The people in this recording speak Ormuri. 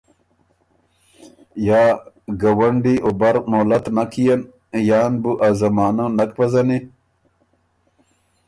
یا ګوَنډی او بر مولت نک يېن؟ یان بُو ا زمانۀ نک پزنی